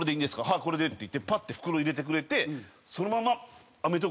「はいこれで」って言ってパッて袋入れてくれてそのまま『アメトーーク』行ったんですよ。